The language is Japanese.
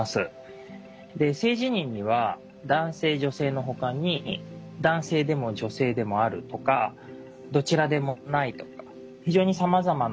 性自認には男性女性のほかに男性でも女性でもあるとかどちらでもないとか非常にさまざまなんですよね。